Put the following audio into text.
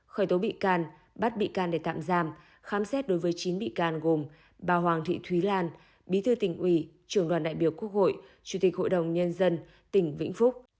khởi tố bị can bắt bị can để tạm giam khám xét đối với chín bị can gồm bà hoàng thị thúy lan bí thư tỉnh ủy trưởng đoàn đại biểu quốc hội chủ tịch hội đồng nhân dân tỉnh vĩnh phúc